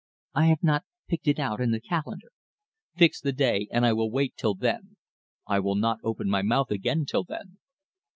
"I have not picked it out in the calendar." "Fix the day, and I will wait till then. I will not open my mouth again till then."